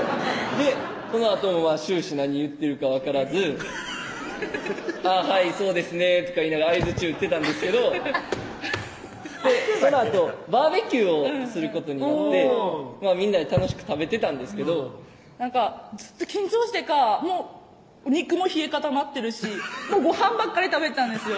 そのあとも終始何言ってるか分からず「はいそうですね」とか言いながら相槌打ってたんですけどそのあとバーベキューをすることになってみんなで楽しく食べてたんですけどずっと緊張してかもう肉も冷え固まってるしごはんばっかり食べてたんですよ